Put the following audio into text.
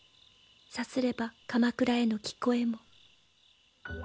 さすれば鎌倉への聞こえも。